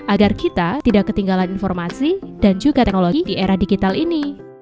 agar kita tidak ketinggalan informasi dan juga teknologi di era digital ini